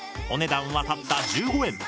お値段はたった１５円。